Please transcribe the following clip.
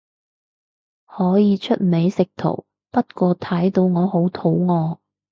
可以出美食圖，不過睇到我好肚餓